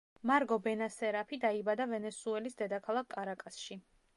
მარგო ბენასერაფი დაიბადა ვენესუელის დედაქალაქ კარაკასში.